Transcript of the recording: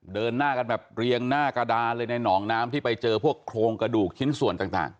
เดินหน้ากันแบบเรียงหน้ากระดานเลยในหนองน้ำที่ไปเจอพวกโครงกระดูกชิ้นส่วนต่าง